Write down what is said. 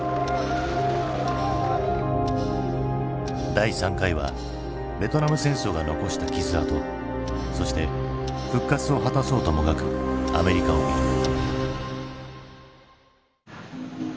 第３回はベトナム戦争が残した傷痕そして復活を果たそうともがくアメリカを見る。